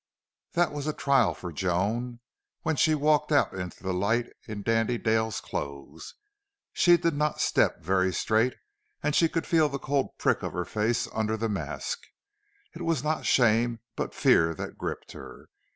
That was a trial for Joan, when she walked out into the light in Dandy Dale's clothes. She did not step very straight, and she could feel the cold prick of her face under the mask. It was not shame, but fear that gripped her.